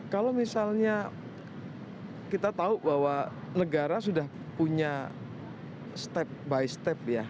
kalau misalnya kita tahu bahwa negara sudah punya step by step ya